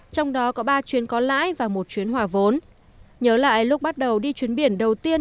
trong đó có ba chuyến có lãi và một chuyến hòa vốn nhớ lại lúc bắt đầu đi chuyến biển đầu tiên